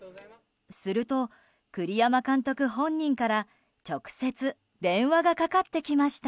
すると栗山監督本人から直接、電話がかかってきました。